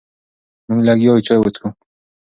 مونږ لګیا یو چای څکو.